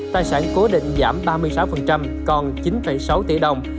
tài sản cố định giảm ba mươi sáu còn chín sáu tỷ đồng